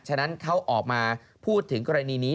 ฉะนั้นเขาออกมาพูดถึงกรณีนี้